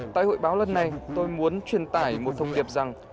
tại hội báo lần này tôi muốn truyền tải một thông điệp rằng